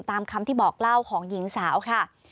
ตามคำที่บอกเล่าของหญิงสาวค่ะ